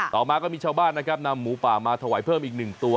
ต่อมาก็มีชาวบ้านนะครับนำหมูป่ามาถวายเพิ่มอีก๑ตัว